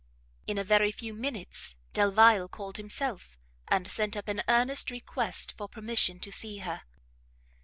In a very few minutes Delvile called himself, and sent up an earnest request for permission to see her.